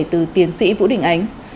từ tiến sĩ vũ đình ánh